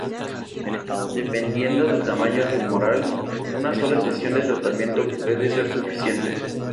Dependiendo del tamaño tumoral, una sola sesión de tratamiento puede ser suficiente.